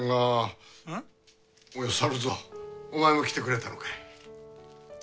おや猿蔵お前も来てくれたのかい。